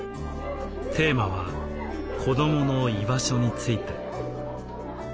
テーマは「子どもの居場所」について。